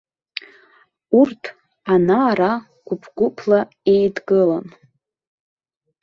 Урҭ ана-ара гәыԥ-гәыԥла еидгылан.